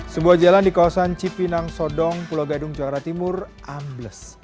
sebuah jalan di kawasan cipinang sodong pulau gadung jakarta timur ambles